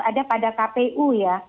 ada pada kpu ya